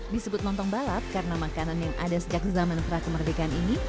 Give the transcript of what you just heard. disebut lontong balap karena makanan yang ada sejak zaman prakemerdekaan ini